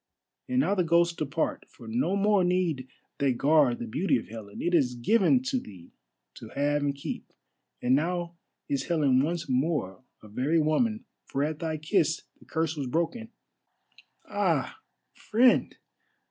And now the ghosts depart, for no more need they guard the beauty of Helen. It is given to thee to have and keep, and now is Helen once more a very woman, for at thy kiss the curse was broken. Ah, friend!